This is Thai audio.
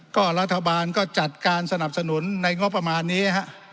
ก็รัฐบาลก็จัดการสนับสนุนในงบประมาณนี้ฮะ